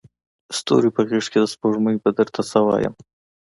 ستوري په غیږکي د سپوږمۍ به درته څه وایمه